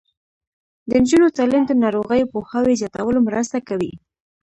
د نجونو تعلیم د ناروغیو پوهاوي زیاتولو مرسته کوي.